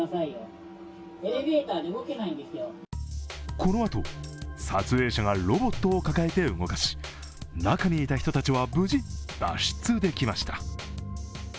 このあと、撮影者がロボットを抱えて動かし中にいた人たちは無事、脱出できました。